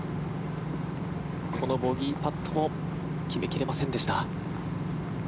このボギーパットも決め切れませんでした。